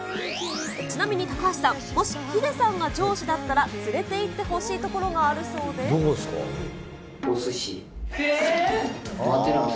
ちなみに高橋さん、もしヒデさんが上司だったら、連れていってほしい所があるそうどこですか？